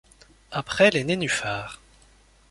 Après les nénuphars.